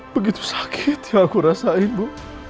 begitu sakit yang aku rasain bu